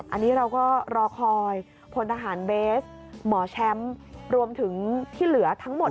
อันนี้เราก็รอคอยพลทหารเบสหมอแชมป์รวมถึงที่เหลือทั้งหมด